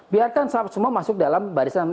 biarkan semua masuk dalam barisan